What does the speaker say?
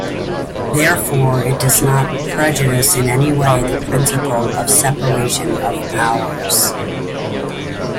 Therefore, it does not prejudice in any way the principle of separation of powers.